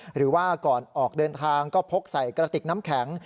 หรือว่าก่อนออกเดินทางก็พกใส่กระติกน้ำแข็ง